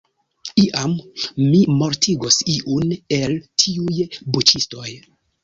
Iam, mi mortigos iun el tiuj buĉistoj.